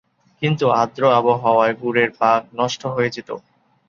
কিন্তু আর্দ্র আবহাওয়ায় গুড়ের পাক নষ্ট হয়ে যেত।